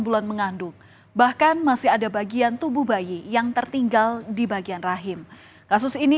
bulan mengandung bahkan masih ada bagian tubuh bayi yang tertinggal di bagian rahim kasus ini